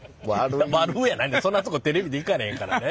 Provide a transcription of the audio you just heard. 「悪」やないそんなとこテレビで行かれへんからね。